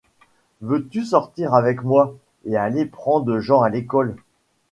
Veux-tu sortir avec moi et aller prendre Jean à l’école ?